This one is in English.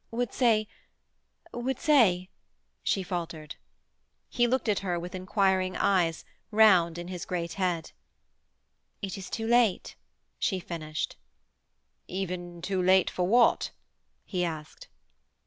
'Would say ... would say ...' she faltered. He looked at her with enquiring eyes, round in his great head. 'It is too late,' she finished. 'Even too late for what?' he asked.